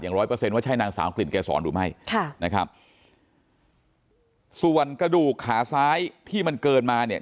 อย่างร้อยเปอร์เซ็นต์ว่าใช่นางสาวกลิ่นแกสอนรู้ไหมค่ะส่วนกระดูกขาซ้ายที่มันเกินมาเนี่ย